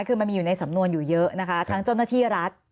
คือมันมีอยู่ในสำนวนอยู่เยอะนะคะทั้งเจ้าหน้าที่รัฐ